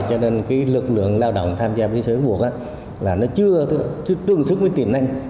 cho nên lực lượng lao động tham gia với số yếu buộc là nó chưa tương xúc với tiềm năng